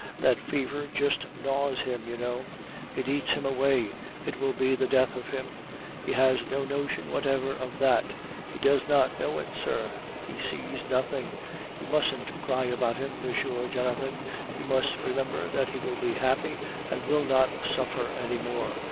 That fever just gnaws him, you know; it eats him away; it will be the death of him. He has no notion whatever of that; he does not know it, sir; he sees nothing You mustn't cry about him, M. Jonathan; you must remember that he will be happy, and will not suffer any more.